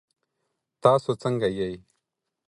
تاسو څنګه یئ؟